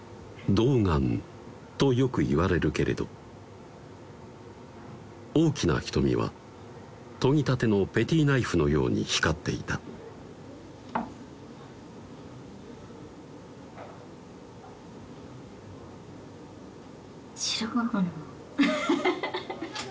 「童顔」とよく言われるけれど大きな瞳は研ぎ立てのペティナイフのように光っていたウッフフフ